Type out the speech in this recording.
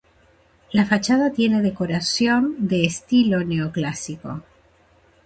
La fachada tiene decoración de estilo neoclásico.